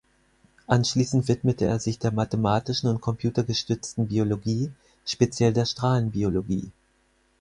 Anschließend widmete er sich der mathematischen und computergestützten Biologie, speziell der Strahlenbiologie.